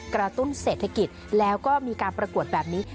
กระตุ้นเศรษฐกิจแล้วก็มีการประกวดแบบนี้